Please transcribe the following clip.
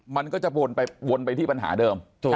มันก็จะวนไปที่ปัญหาเดิม